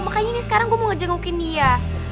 makanya nih sekarang gue mau ngejengukin dia